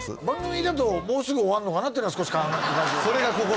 番組だと「もうすぐ終わるのかな」っていうのは少し考えてますね